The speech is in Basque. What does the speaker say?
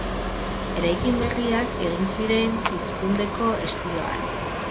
Eraikin berriak egin ziren pizkundeko estiloan.